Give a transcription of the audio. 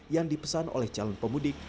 yang dipesan oleh calon pemudik